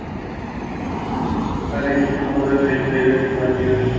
Cada equipo juega treinta y ocho partidos.